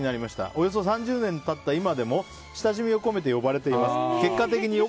およそ３０年経った今でも親しみを込めて呼ばれています。